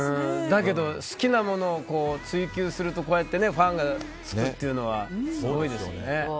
だけど好きなものを追求するとこうやってファンがつくっていうのは多いですね。